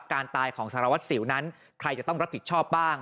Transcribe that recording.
การตายของสารวัตรสิวนั้นใครจะต้องรับผิดชอบบ้าง